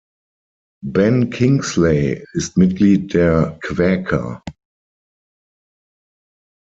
Ben Kingsley ist Mitglied der Quäker.